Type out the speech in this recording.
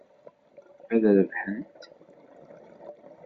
Ad rebḥent.